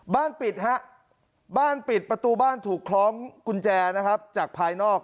บ้านปิดฮะประตูบ้านถูกคล้องกุญแจจากภายนอก